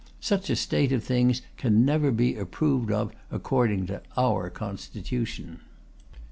Such a state of things can never be approved of according to our Constitution."